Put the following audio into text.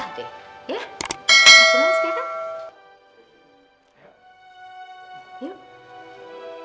aku mau sedih kan